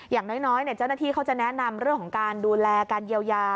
อย่างน้อยเจ้าหน้าที่เขาจะแนะนำเรื่องของการดูแลการเยียวยา